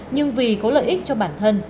nhưng vì có lợi ích cho bản thân